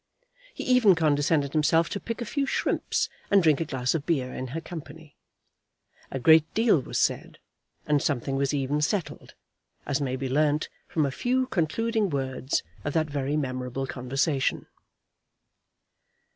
He even condescended himself to pick a few shrimps and drink a glass of beer in her company. A great deal was said, and something was even settled, as may be learned from a few concluding words of that very memorable conversation.